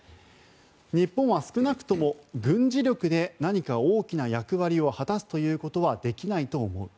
日本は少なくとも、軍事力で何か大きな役割を果たすということはできないと思う